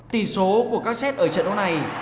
tỷ số của các set ở trận đấu này